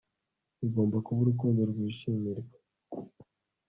bigomba kuba urukundo rwishimirwa